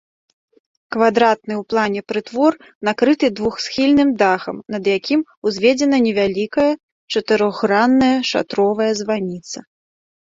Квадратны ў плане прытвор накрыты двухсхільным дахам, над якім узведзена невялікая чатырохгранная шатровая званіца.